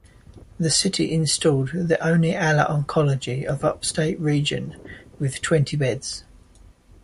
The city installed the only Ala Oncology of upstate region, with twenty beds.